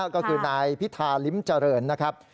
ก็คือนายพิธาลิ้มเจริญนะครับ